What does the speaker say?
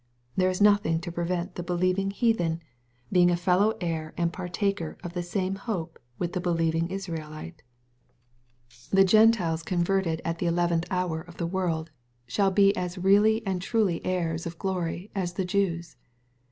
There is nothing to prevent the believing heathen being ^^s 248 SXPOSITOBT THOUQHTS. fellow heir and partaker of the same hope'" with the believing Israelite. The Gentiles converted at "the eleventh hour*' of the world, shall be as really and truly heirs of glory as the Jews.